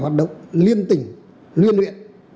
hoạt động liên tỉnh liên luyện